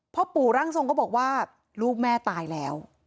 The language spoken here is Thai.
พ่อปู่ร่างทรงก็บอกว่าลูกแม่ตายแล้ว